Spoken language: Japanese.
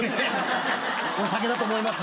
お酒だと思います。